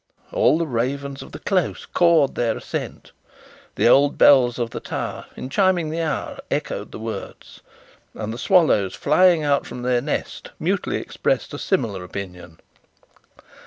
All the ravens of the close cawed their assent. The old bells of the tower, in chiming the hour, echoed the words; and the swallows flying out from their nests mutely expressed a similar opinion.